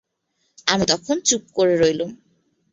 আমি তখন চুপ করে রইলুম।